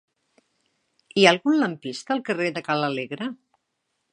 Hi ha algun lampista al carrer de Ca l'Alegre?